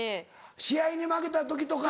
試合に負けた時とか。